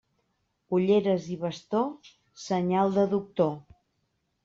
Ulleres i bastó, senyal de doctor.